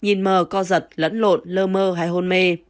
nhìn mờ co giật lẫn lộn lơ mơ hay hôn mê